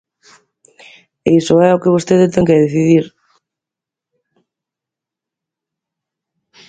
E iso é o que vostede ten que decidir.